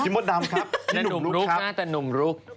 พี่มดดำครับพี่หนุ่มลุกครับ